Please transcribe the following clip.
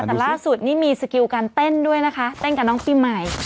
แต่ล่าสุดนี่มีสกิลการเต้นด้วยนะคะเต้นกับน้องปีใหม่